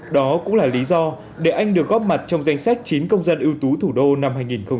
đó cũng là lý do để anh được góp mặt trong danh sách chín công dân ưu tú thủ đô năm hai nghìn một mươi chín